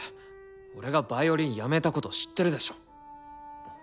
俺がヴァイオリンやめたこと知ってるでしょ。